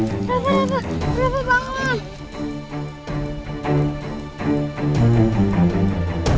lupa lupa lupa bangun